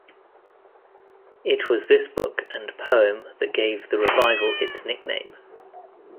It was this book and poem that gave the revival its nickname.